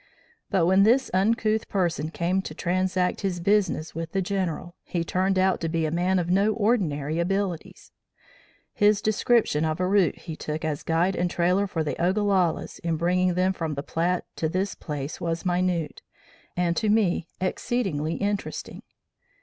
But when this uncouth person came to transact his business with the General, he turned out to be a man of no ordinary abilities. His description of a route he took as guide and trailer for the Ogallalas in bringing them from the Platte to this place was minute, and to me exceedingly interesting.